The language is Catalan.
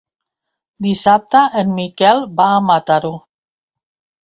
Dissabte en Miquel va a Mataró.